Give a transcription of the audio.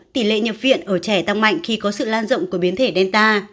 tỷ lệ nhập viện ở trẻ tăng mạnh khi có sự lan rộng của biến thể delta